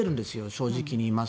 正直に言います。